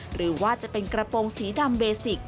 หรือว่าจะเป็นกระโปรงสีดำเบสิก